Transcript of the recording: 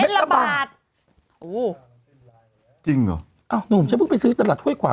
ละบาทโอ้จริงเหรออ้าวหนุ่มฉันเพิ่งไปซื้อตลาดห้วยขวาง